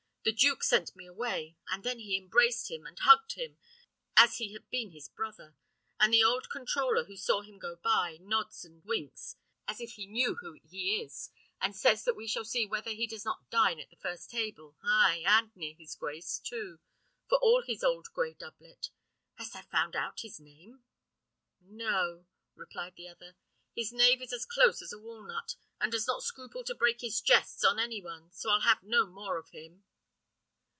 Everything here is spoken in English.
The duke sent me away, and then he embraced him, and hugged him, as he had been his brother; and the old controller, who saw him go by, nods and winks, as if he knew who he is, and says that we shall see whether he does not dine at the first table, ay, and near his grace, too, for all his old gray doublet. Hast thou found out his name?" "No," replied the other. "His knave is as close as a walnut, and does not scruple to break his jests on any one, so I'll have no more of him."